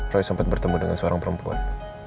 roy sempat bertemu dengan seorang perempuan